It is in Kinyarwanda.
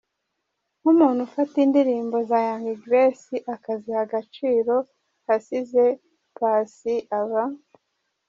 nkumuntu ufata indirimbo za Young Grace akaziha agaciro assize Paccy aba.